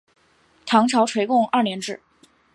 唐朝垂拱二年置。